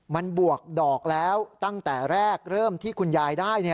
มันบวกดอกแล้วตั้งแต่แรกเริ่มที่คุณยายได้